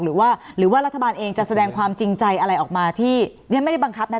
หรือว่ารัฐบาลเองจะแสดงความจริงใจอะไรออกมาที่ยังไม่บังคับนะ